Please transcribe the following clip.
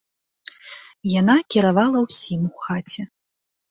Яна кіравала ўсім у хаце.